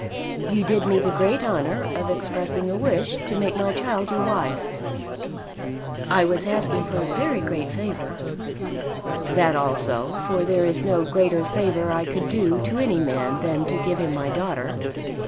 "You did me the great honour of expressing a wish to make my child your wife." "I was asking for a very great favour." "That also; for there is no greater favour I could do to any man than to give him my daughter.